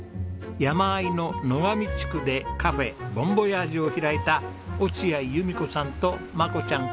山あいの野上地区でカフェ「母ん母親父」を開いた落合由美子さんとマコちゃん